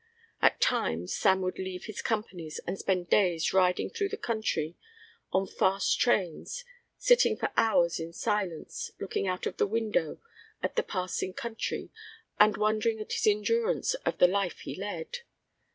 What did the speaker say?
At times Sam would leave his companions and spend days riding through the country on fast trains, sitting for hours in silence looking out of the window at the passing country and wondering at his endurance of the life he led.